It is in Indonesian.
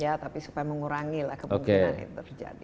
ya tapi supaya mengurangi lah kemungkinan yang terjadi